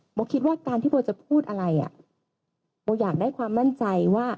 คิดว่าการที่โบจะพูดอะไรโบอยากได้ความมั่นใจว่า